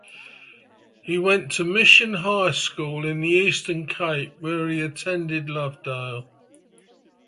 He went to Mission high school in the eastern Cape where he attended Lovedale.